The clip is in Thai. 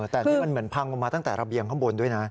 แต่นี่มันเหมือนพังลงมาตั้งแต่ระเบียงข้างบนด้วยนะ